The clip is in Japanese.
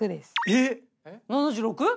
えっ⁉７６万？